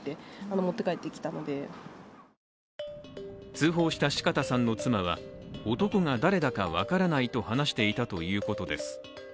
通報した四方さんの妻は、男が誰だか分からないと話していたということです。